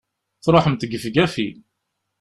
Truḥemt gefgafi!